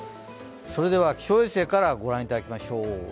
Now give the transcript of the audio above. それでは気象衛星からご覧いただきましょう。